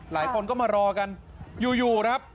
หลายคนก็มารอกันอยู่อยู่อ่ะ